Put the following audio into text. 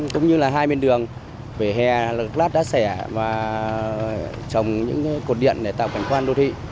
cũng như là hai bên đường về hè là lát đá xẻ và trồng những cột điện để tạo cảnh quan đô thị